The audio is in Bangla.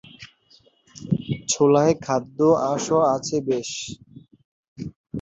ছোলায় খাদ্য-আঁশও আছে বেশ।